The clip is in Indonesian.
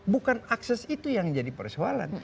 bukan akses itu yang jadi persoalan